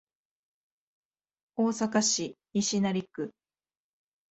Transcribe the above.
大阪市西成区